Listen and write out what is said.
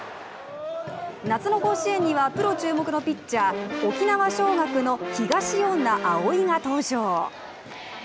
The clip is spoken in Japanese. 夏の甲子園にはプロ注目のピッチャー沖縄尚学の東恩納蒼が登場。